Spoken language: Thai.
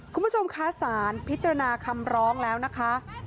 คุณผู้ชมคะสารพิจารณาคำร้องแล้วนะคะ